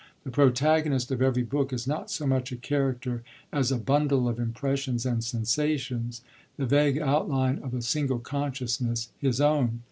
The protagonist of every book is not so much a character as a bundle of impressions and sensations the vague outline of a single consciousness, his own.